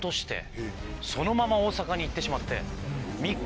そのまま大阪に行ってしまって。